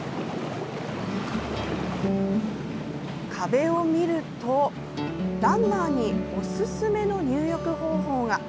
壁を見るとランナーにおすすめの入浴方法が。